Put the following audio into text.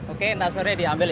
oke nasurnya diambil ya